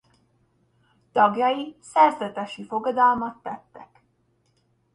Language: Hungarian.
Tagjai szerzetesi fogadalmat tettek.